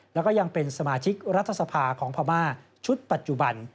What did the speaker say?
แล้วก็ยังเป็นสมาชิกรัฐสภาของพม่าชุดปัจจุบัน